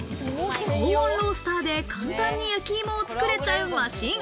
高温ロースターで簡単に焼き芋を作れちゃうマシン。